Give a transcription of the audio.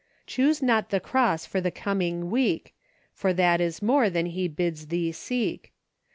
Choose not the cross for the coming week. For that is more than he bids thee seek.